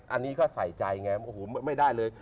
อันนี้ก็ใส่ใจไงโอ้โหไม่ได้เลย